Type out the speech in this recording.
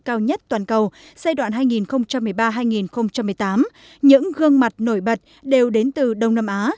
cao nhất toàn cầu giai đoạn hai nghìn một mươi ba hai nghìn một mươi tám những gương mặt nổi bật đều đến từ đông nam á